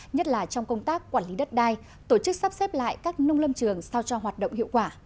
nhất là trong công tác quản lý đất đai tổ chức sắp xếp lại các nông lâm trường sao cho hoạt động hiệu quả